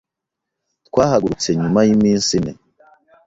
Twahagurutse nyuma yiminsi ine.